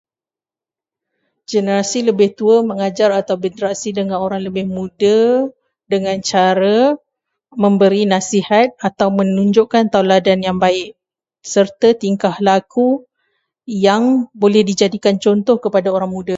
Generasi lebih tua mengajar atau berinteraksi dengan orang lebih muda dengan cara memberi nasihat atau menunjukkan tauladan yang baik, serta tingkah laku yang boleh dijadikan contoh kepada orang muda.